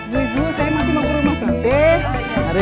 bu ibu saya masih mau ke rumah kemah